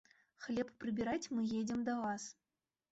Хлеб прыбіраць мы едзем да вас.